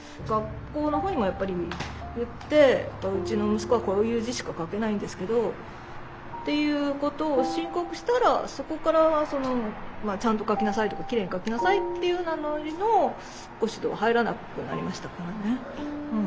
学校の方にもやっぱり言って「うちの息子はこういう字しか書けないんですけど」っていうことを申告したらそこから「ちゃんと書きなさい」とか「きれいに書きなさい」っていうご指導は入らなくなりましたからね。